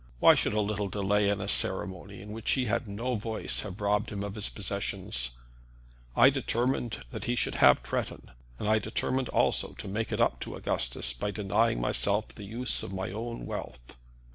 Why should a little delay in a ceremony in which he had no voice have robbed him of his possessions? I determined that he should have Tretton, and I determined also to make it up to Augustus by denying myself the use of my own wealth.